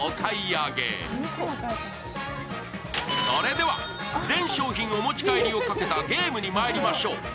それでは全商品お持ち帰りをかけたゲームにまいりましょう。